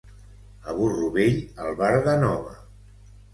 A burro vell, albarda nova.